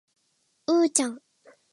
うーちゃん